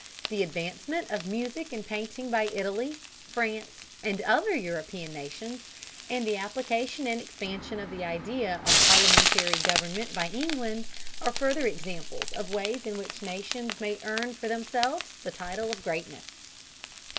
The advancement of music and painting by Italy, France, and other European nations, and the application and expansion of the idea of parliamentary government by England, are further examples of ways in which nations may earn for themselves the title of greatness.